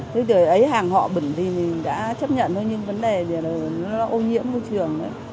thế thì ấy hàng họ bẩn thì đã chấp nhận thôi nhưng vấn đề là nó ô nhiễm môi trường